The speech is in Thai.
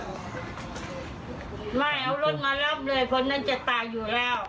ไม่เอารถมารับเลยคนนั้นจะตายอยู่แล้ว